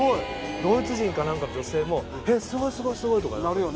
ドイツ人か何かの女性も「すごいすごい」とかなってて。